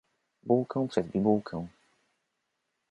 Bułkę przez bibułkę.